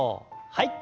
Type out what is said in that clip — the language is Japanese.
はい。